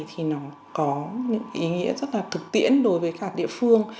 thì nó có những ý nghĩa rất là thực tiễn đối với các địa phương